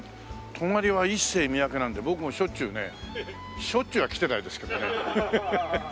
隣はイッセイミヤケなので僕もしょっちゅうねしょっちゅうは来てないですけどね。